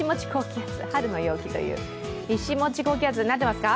高気圧になってますか？